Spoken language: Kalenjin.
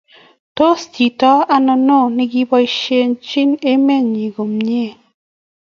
tos chito anonon ne kiboisiechi emet nyin komye?